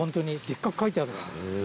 でっかく書いてある。